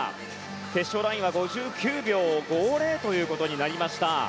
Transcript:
決勝ラインは５９秒５０ということになりました。